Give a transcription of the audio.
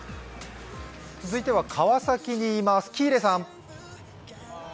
続いては川崎にいます喜入さん。